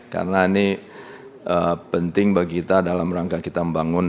karena ini penting bagi kita dalam rangka kita membangunnya